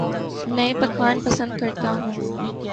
نئے پکوان پسند کرتا ہوں